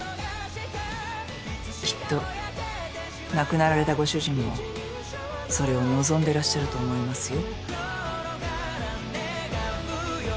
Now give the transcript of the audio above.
きっと亡くなられたご主人もそれを望んでらっしゃると思いますよ。